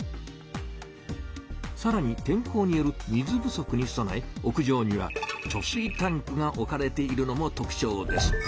さらに天候による水不足にそなえ屋上には貯水タンクが置かれているのも特ちょうです。